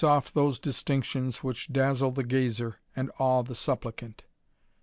^i aff those distinctions which dazzle the gazer, and awe the supplicant.